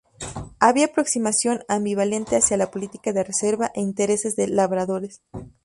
Había aproximación ambivalente hacia la política de reserva e intereses de labradores.